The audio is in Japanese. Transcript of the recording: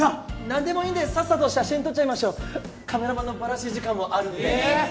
何でもいいんでさっさと写真撮っちゃいましょうカメラマンのばらし時間もあるんでえ！